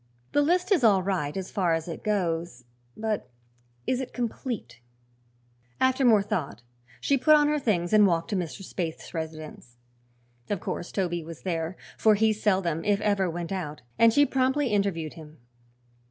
"The list is all right, as far as it goes; but is it complete?" After more thought she put on her things and walked to Mr. Spaythe's residence. Of course Toby was there, for he seldom if ever went out, and she promptly interviewed him.